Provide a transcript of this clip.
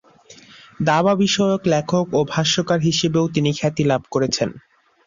দাবা বিষয়ক লেখক ও ভাষ্যকার হিসেবেও তিনি খ্যাতি লাভ করেছেন।